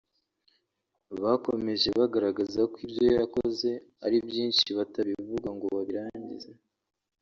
Bakomeje bagaragaza ko ibyo yakoze ari byinshi batabivuga ngo babirangize